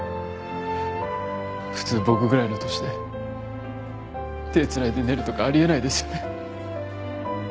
普通僕ぐらいの年で手繋いで寝るとかあり得ないですよね。